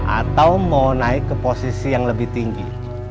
atau mau naik ke posisi yang lebih tinggi